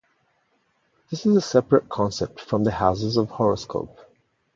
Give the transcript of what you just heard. This is a separate concept from the houses of the horoscope.